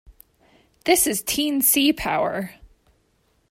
This Is Teen-C Power!